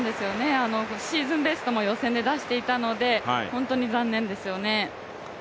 シーズンベストも予選で出していたので本当に残念ですよね。